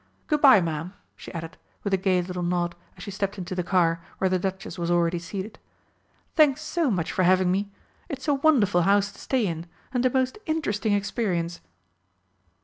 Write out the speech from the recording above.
Good bye, Ma'am," she added, with a gay little nod, as she stepped into the car, where the Duchess was already seated. "Thanks so much for having me! It's a wonderful house to stay in and a most interesting experience."